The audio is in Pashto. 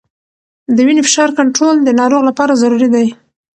د وینې فشار کنټرول د ناروغ لپاره ضروري دی.